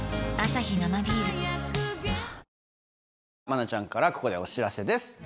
愛菜ちゃんからここでお知らせです。